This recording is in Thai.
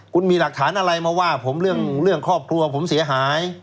คุณมีหลักฐานอะไรมาว่าผมเรื่องครอบครัวผมเสียหาย